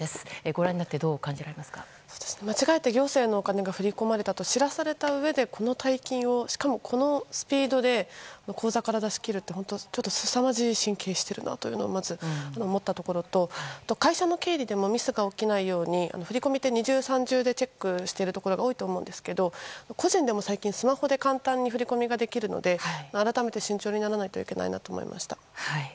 ご覧になって間違えて業者へのお金が振り込まれたと知らされたうえでこの大金をしかもこのスピードで口座から出し切るって本当にすさまじい神経しているなとまず思ったところと会社の経理でもミスが起きないように振込って二重三重でチェックしているところが多いと思うんですけど個人でも最近スマホで簡単に振り込みができるので改めて慎重にならないなといけないなと思いました。